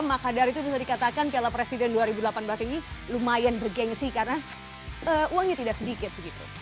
maka dari itu bisa dikatakan piala presiden dua ribu delapan belas ini lumayan bergensi karena uangnya tidak sedikit